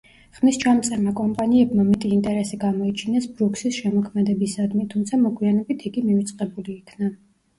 ხმისჩამწერმა კომპანიებმა მეტი ინტერესი გამოიჩინეს ბრუქსის შემოქმედებისადმი, თუმცა მოგვიანებით იგი მივიწყებული იქნა.